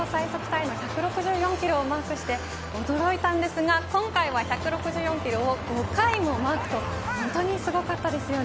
タイの１６４キロをマークして驚いたのですが今回は１６４キロを５回もマークと本当にすごかったです。